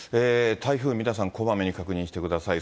台風、皆さんこまめに確認してください。